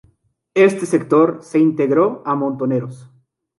Este sector se integró a Montoneros.